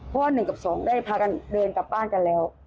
เพราะว่า๑กับ๒ได้พากันเดินกลับบ้านกันแล้ว